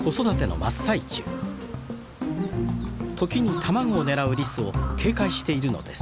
時に卵を狙うリスを警戒しているのです。